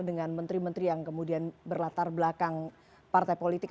dengan menteri menteri yang kemudian berlatar belakang partai politik